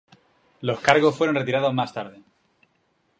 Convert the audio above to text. Los cargos fueron retirados más tarde.